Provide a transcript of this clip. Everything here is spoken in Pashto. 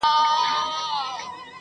د سلگيو ږغ يې ماته را رسيږي.